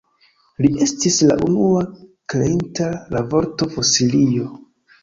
Li estis la unua kreinta la vorto Fosilio.